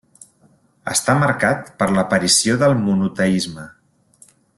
Està marcat per l'aparició del monoteisme.